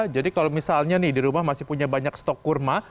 kalau misalnya nih di rumah masih punya banyak stok kurma